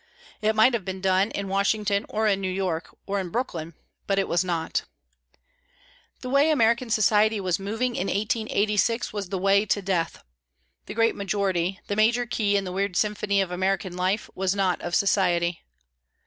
It might have been done in Washington, or in New York, or in Brooklyn, but it was not. The way American society was moving in 1886 was the way to death. The great majority, the major key in the weird symphony of American life, was not of society.